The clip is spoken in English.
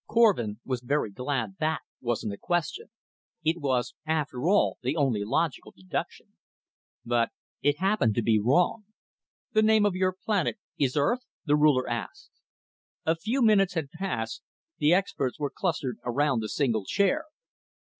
Korvin was very glad that wasn't a question. It was, after all, the only logical deduction. But it happened to be wrong. "The name of your planet is Earth?" the Ruler asked. A few minutes had passed; the experts were clustered around the single chair.